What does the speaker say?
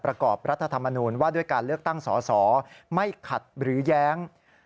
ประกอบรัฐธรรมนูญว่าด้วยการเลือกตั้งสอสอไม่ขัดหรือแย้ง